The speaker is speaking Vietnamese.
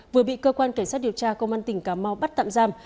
vừa bị cơ quan cảnh sát điều tra công an tỉnh cà mau bắt tạm giam